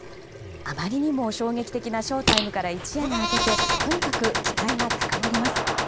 あまりにも衝撃的なショウタイムから一夜が明けてとにかく期待が高まります。